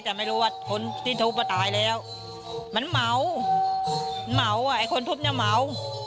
แต่ไม่รู้ว่าคนที่ทุบอ่ะตายแล้วมันเหมาเหมาอ่ะไอ้คนทุบเนี่ยเหมา